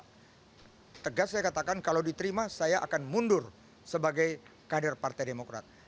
saya tegas saya katakan kalau diterima saya akan mundur sebagai kader partai demokrat